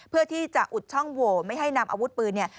เพื่อที่จะอุดช่องโหวไม่ให้นำอาวุธปืนเนี่ย